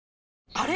あれ？